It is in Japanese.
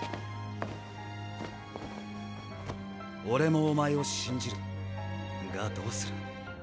俺もお前を信じるがどうする？